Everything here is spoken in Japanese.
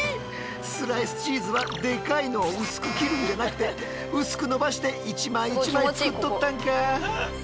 スライスチーズはでかいのを薄く切るんじゃなくて薄く伸ばして一枚一枚作っとったんか。